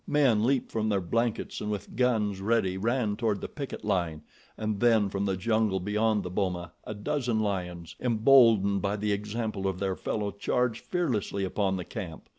Men leaped from their blankets and with guns ready ran toward the picket line, and then from the jungle beyond the boma a dozen lions, emboldened by the example of their fellow charged fearlessly upon the camp.